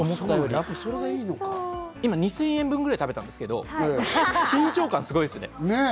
今２０００円分ぐらい食べたんですけど、緊張感がすごいです。